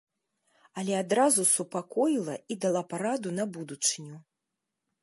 Але адразу супакоіла і дала параду на будучыню.